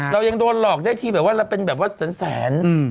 เรายังโดนหลอกได้ทีแบบว่าเราเป็นแบบว่าแสน